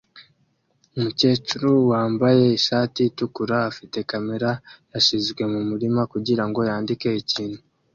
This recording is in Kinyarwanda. Umukecuru wambaye ishati itukura afite kamera yashizwe mumurima kugirango yandike ikintu